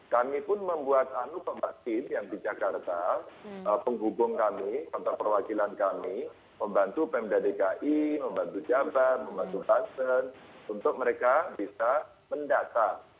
kami pun membuat anu pemaksin yang di jakarta penghubung kami kontak perwakilan kami membantu pmddki membantu jabar membantu bansen untuk mereka bisa mendata